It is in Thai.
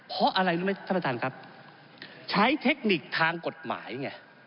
เพราะอะไรรู้ไหมท่านประธานครับใช้เทคนิคทางกฎหมายไง